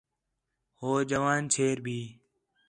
ہو جوان چھیر بھی